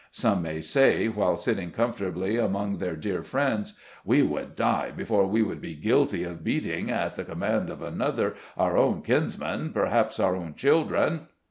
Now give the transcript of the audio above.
Some may say, while sitting comfortably among their dear friends, " We would die before we would be guilty of beating, at the command of another, our own kinsmen, perhaps our own children."